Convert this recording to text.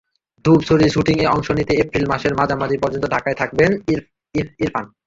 ডুব ছবির শুটিংয়ে অংশ নিতে এপ্রিল মাসের মাঝামাঝি পর্যন্ত ঢাকায় থাকবেন ইরফান।